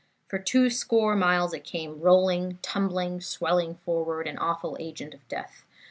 For two score miles it came rolling, tumbling, swelling forward, an awful agent of death.